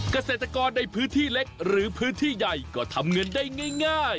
เกษตรกรในพื้นที่เล็กหรือพื้นที่ใหญ่ก็ทำเงินได้ง่าย